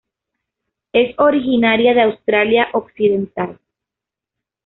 Es originaria de Australia Occidental.